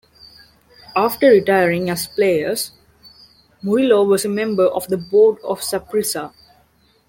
After retiring as a players, Murillo was member of the board of Saprissa.